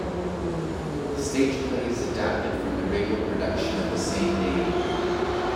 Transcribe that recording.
The stage play is adapted from the radio production of the same name.